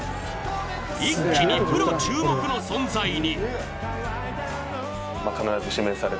一気にプロ注目の存在に。